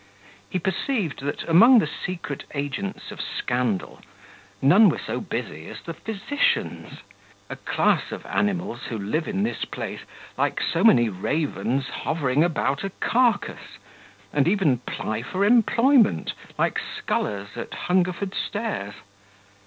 He perceived, that, among the secret agents of scandal, none were so busy as the physicians, a class of animals who live in this place, like so many ravens hovering about a carcase, and even ply for employment, like scullers at Hungerford stairs.